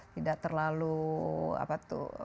tidak terlalu apa itu